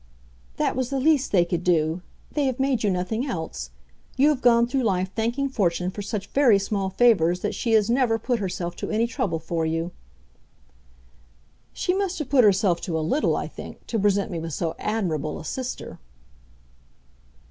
"That was the least they could do; they have made you nothing else. You have gone through life thanking fortune for such very small favors that she has never put herself to any trouble for you." "She must have put herself to a little, I think, to present me with so admirable a sister."